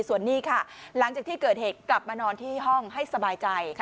ส่วนนี้ค่ะหลังจากที่เกิดเหตุกลับมานอนที่ห้องให้สบายใจ